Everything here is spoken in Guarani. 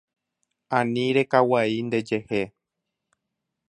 Ani rekaguai ndejehe.